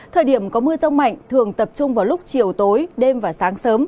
thời điểm có mưa rông mạnh thường tập trung vào lúc chiều tối đêm và sáng sớm